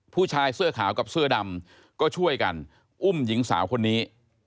ผู้ชายเสื้อขาวกับเสื้อดำก็ช่วยกันอุ้มหญิงสาวคนนี้